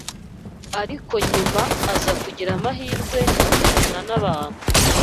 ariko nyuma aza kugira amahirwe amenyana n’abantu